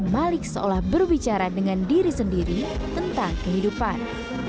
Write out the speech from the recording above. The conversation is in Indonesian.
malik seolah berbicara dengan diri sendiri tentang kehidupan